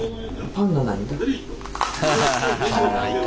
パンないか。